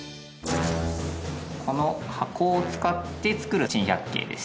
この箱を使って作る珍百景です。